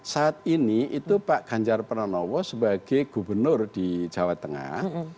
saat ini itu pak ganjar pranowo sebagai gubernur di jawa tengah